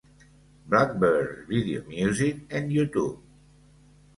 Blackbirds Video Music en Youtube